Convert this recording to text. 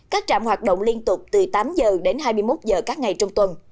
các trạm hoạt động liên tục từ tám giờ đến hai mươi một giờ các ngày trong tuần